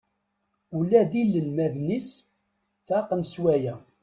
Ula d inelmaden-is faqen s waya.